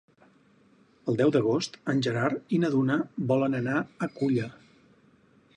El deu d'agost en Gerard i na Duna volen anar a Culla.